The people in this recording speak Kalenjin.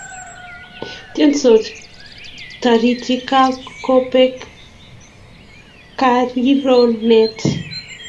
Tiendos Taritik, kakobek karironet